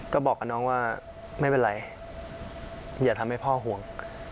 ก็บอกกับน้องว่าไม่เป็นไรอย่าทำให้พ่อห่วง